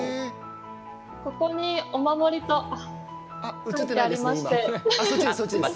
ここにお守りと書いてありまして。